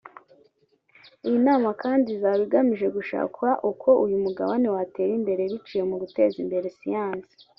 Iyi nama kandi izaba igamije gushaka uko uyu mugabane watera imbere biciye mu guteza imbere siyansi